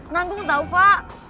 nanti gue tau pak